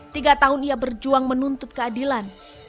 tiga tahun ia berjuang menuntut keadilan